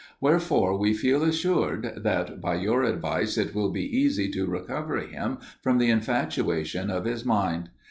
Wherefore, we feel assured, that by your advice it will be easy to recover him from the infatuation of his mind.